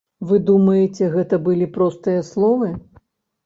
Вы думаеце гэта былі простыя словы?